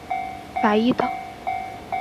法伊岛。